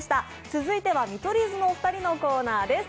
続いては見取り図のお二人のコーナーです。